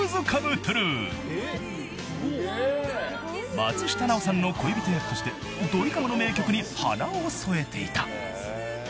［松下奈緒さんの恋人役としてドリカムの名曲に花を添えていた］